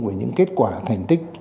về những kết quả thành tích